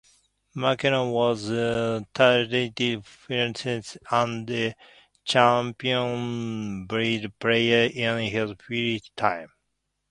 McKenna was a talented financier, and a champion bridge player in his free time.